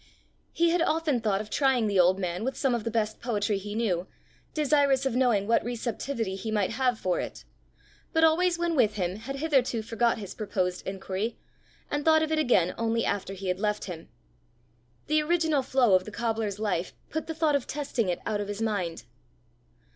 He had often thought of trying the old man with some of the best poetry he knew, desirous of knowing what receptivity he might have for it; but always when with him had hitherto forgot his proposed inquiry, and thought of it again only after he had left him: the original flow of the cobbler's life put the thought of testing it out of his mind.